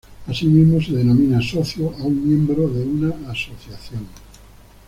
Asimismo, se denomina socio a un miembro de una asociación.